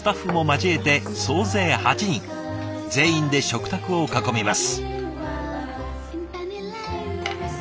全員で食卓を囲みます。